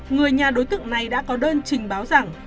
người nhà đối tượng này đã có đơn trình báo rằng